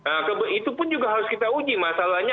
nah itu pun juga harus kita uji masalahnya